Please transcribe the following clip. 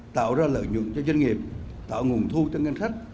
tạo ra lợi nhuận cho doanh nghiệp tạo nguồn thu cho ngân sách